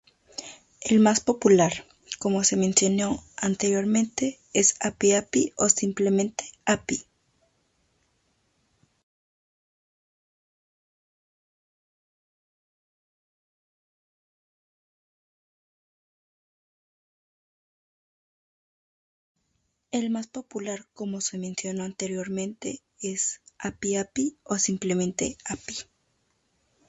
El más popular, como se mencionó anteriormente, es "Api-Api", o simplemente "Api".